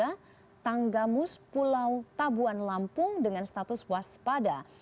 lalu lampung barat pesisir tanggamus pulau tabuan lampung dengan status waspada